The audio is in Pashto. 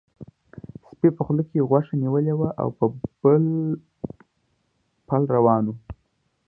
سپي په خوله کې غوښه نیولې وه او په پل روان و.